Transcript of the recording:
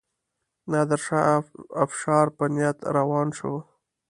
نادرشاه افشار په نیت روان شو.